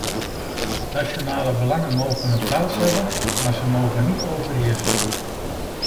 Nationale belangen mogen een plaats hebben, maar ze mogen niet overheersen.